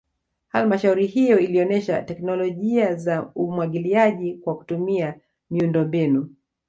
Halmashauri hiyo ilionesha teknolojia za umwagiliaji kwa kutumia miundombinu